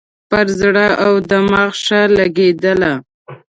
پر زړه او دماغ ښه لګېدله.